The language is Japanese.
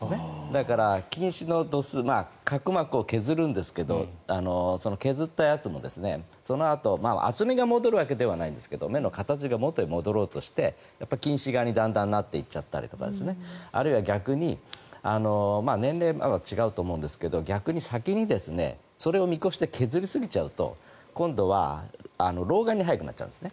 だから、近視の度数角膜を削るんですけど削ったやつもそのあと厚みが戻るわけではないんですが目の形が元に戻ろうとして近視眼にだんだんなっていたりとかあるいは逆に年齢、まだ違うと思うんですが逆に先にそれを見越して削りすぎちゃうと今度は老眼が早くなるんです。